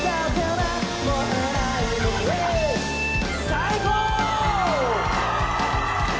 最高！